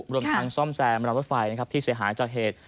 รวมทางซ่อมแซมระดับรถไฟที่เสียหายจากเหตุ